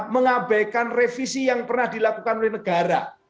mengabaikan revisi yang pernah dilakukan oleh negara